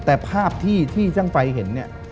แต่ภาพที่ช่างไฟเห็นเนี่ย